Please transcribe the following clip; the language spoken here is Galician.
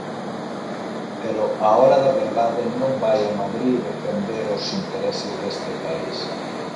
Pero á hora da verdade non vai a Madrid defender os intereses deste país.